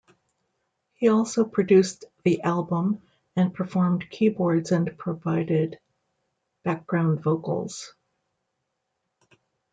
He also produced the album and performed keyboards and provided background vocals.